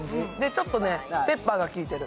ちょっとペッパーが効いてる。